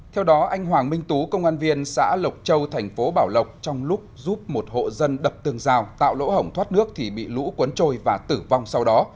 theo đó anh hoàng minh tú công an viên xã lộc châu thành phố bảo lộc trong lúc giúp một hộ dân đập tường rào tạo lỗ hổng thoát nước thì bị lũ cuốn trôi và tử vong sau đó